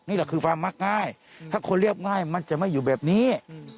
นี่คือความมักง่ายถ้าคนเรียบง่ายมันจะไม่อยู่แบบนี้